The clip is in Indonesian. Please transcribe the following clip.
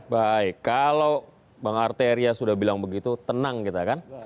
baik kalau bang arteria sudah bilang begitu tenang kita kan